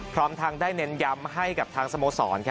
พร้อมทางได้เน้นย้ำให้กับทางสโมสร